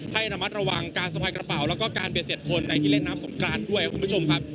ให้อนามัดระวังการสไฟล์กระเป๋าและเปรียชเศียรคคอนในเล่นน้ำสงกรานด้วยครับคุณผู้ชมครับ